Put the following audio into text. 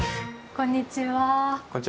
こんにちは。